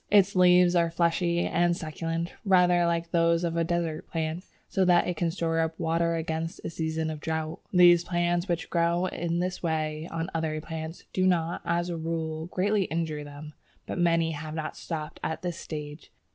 Its leaves are fleshy and succulent, rather like those of a desert plant, so that it can store up water against a season of drought. These plants which grow in this way on other plants, do not, as a rule, greatly injure them, but many have not stopped at this stage.